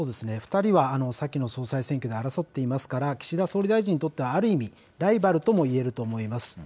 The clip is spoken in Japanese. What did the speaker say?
２人は先の総裁選挙で争っていますから、岸田総理大臣にとってはある意味、ライバルともいえると思います。